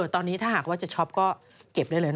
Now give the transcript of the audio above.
ตอนนี้ถ้าหากว่าจะช็อปก็เก็บได้เลย